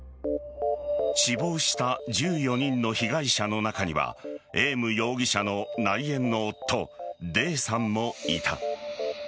死亡した１４人の被害者の中にはエーム容疑者の内縁の夫デーさんもいた。